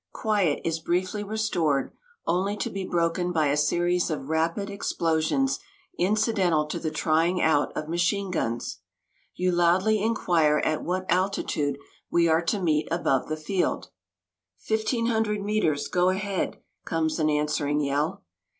Quiet is briefly restored, only to be broken by a series of rapid explosions incidental to the trying out of machine guns. You loudly inquire at what altitude we are to meet above the field. "Fifteen hundred metres go ahead!" comes an answering yell.